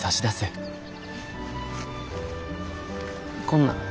こんなん。